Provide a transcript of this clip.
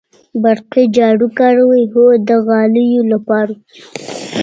برقی جارو کاروئ؟ هو، د غالیو لپاره